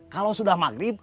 kalau sudah maghrib